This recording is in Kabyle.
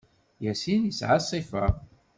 Yassin yesɛa ṣṣifa.